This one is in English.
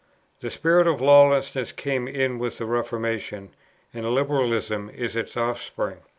The spirit of lawlessness came in with the Reformation, and Liberalism is its offspring.